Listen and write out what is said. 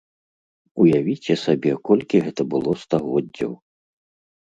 Уявіце сабе, колькі гэта было стагоддзяў!